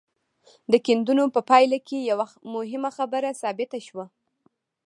د کيندنو په پايله کې يوه مهمه خبره ثابته شوه.